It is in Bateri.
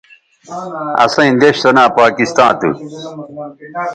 اسئیں دیݜ سو ناں پاکستاں تھو